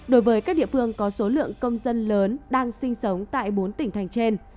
đối với các địa phương có số lượng công dân lớn đang sinh sống tại bốn tỉnh thành trên